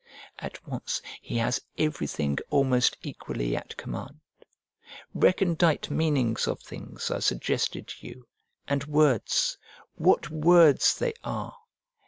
At once he has everything almost equally at command. Recondite meanings of things are suggested to you, and words what words they are!